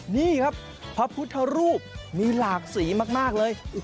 นี่ครับพระพุทธรูปมีหลากสีมากเลย